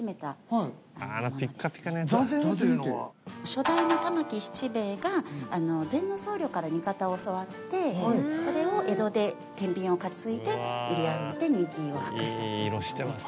初代の田巻七兵衛が禅の僧侶から煮方を教わってそれを江戸でてんびんを担いで売り歩いて人気を博したということで。